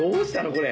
これ。